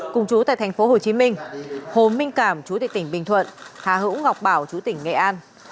cùng chú tại tp hcm hồ minh cảm chủ tịch tỉnh bình thuận hà hữu ngọc bảo chủ tịch nghệ an